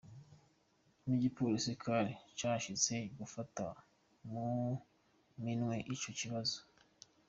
N'igipolisi cari cahashitse gufata mu minwe ico kibazo.